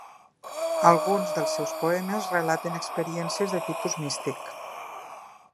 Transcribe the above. Alguns dels seus poemes relaten experiències de tipus místic.